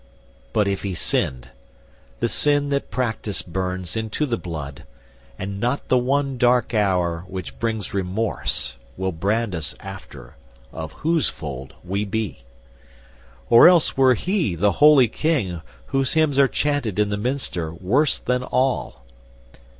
—but if he sinned, The sin that practice burns into the blood, And not the one dark hour which brings remorse, Will brand us, after, of whose fold we be: Or else were he, the holy king, whose hymns Are chanted in the minster, worse than all.